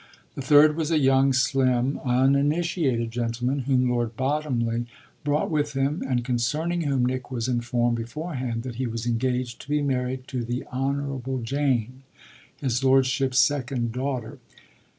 The third was a young, slim, uninitiated gentleman whom Lord Bottomley brought with him and concerning whom Nick was informed beforehand that he was engaged to be married to the Honourable Jane, his lordship's second daughter.